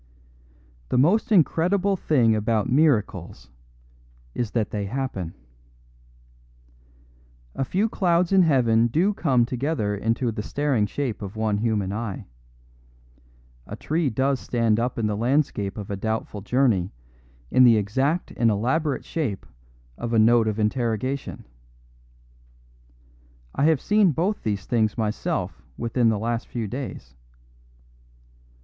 The most incredible thing about miracles is that they happen. A few clouds in heaven do come together into the staring shape of one human eye. A tree does stand up in the landscape of a doubtful journey in the exact and elaborate shape of a note of interrogation. I have seen both these things myself within the last few days.